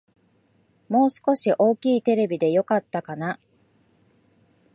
もう少し大きいテレビでよかったかな